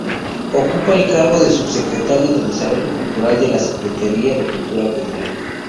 Ocupa el cargo de Subsecretario de Desarrollo Cultural de la Secretaria de Cultura Federal.